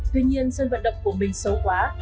tuy nhiên sân vận động của mình xấu quá